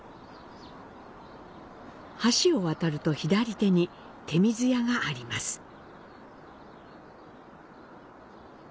橋を渡ると左手に「手水舎」があります。